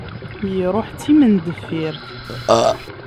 Iruḥ d timendeffirt.